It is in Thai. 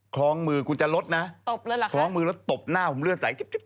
คล้องมือกูจะร้ดนะคล้องมือพอตบหน้าผมเลือดใสจิ๊บ